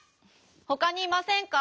ほかにいませんか？